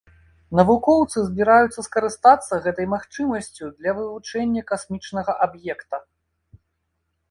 Навукоўцы збіраюцца скарыстацца гэтай магчымасцю для вывучэння касмічнага аб'екта.